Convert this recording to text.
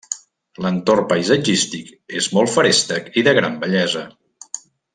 L'entorn paisatgístic és molt feréstec i de gran bellesa.